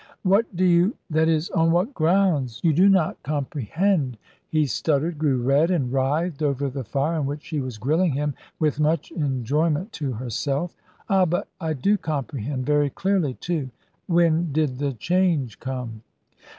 "What do you that is on what grounds ? You do not comprehend!" He stuttered, grew red, and writhed over the fire on which she was grilling him, with much enjoyment to herself. "Ah, but I do comprehend very clearly, too. When did the change come?"